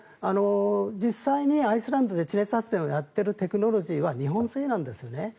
実際にアイスランドで地熱発電をやっているテクノロジーは日本製なんですよね。